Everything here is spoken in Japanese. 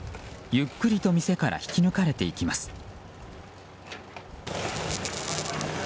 ゆっくりと店から引き抜かれていきます。